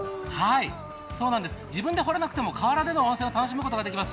自分で掘らなくても河原での温泉を楽しむことができます。